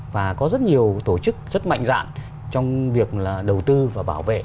và có rất nhiều tổ chức rất mạnh dạn trong việc đầu tư và bảo vệ